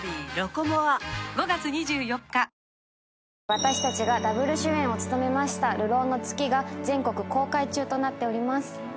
私たちがダブル主演を務めました『流浪の月』が全国公開中となっております。